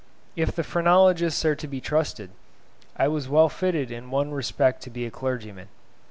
If the phrenologists are to be trusted, I was well fitted in one respect to be a clergyman.